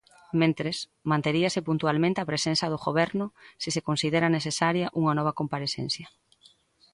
Mentres, manteríase puntualmente a presenza do goberno se se considera necesaria unha nova comparecencia.